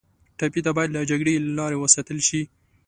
ټپي ته باید له جګړې لرې وساتل شي.